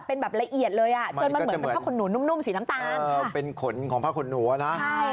เป็นขนของผ้าขนหนู